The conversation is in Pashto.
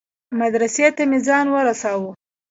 مدرسې ته مې ځان ورساوه.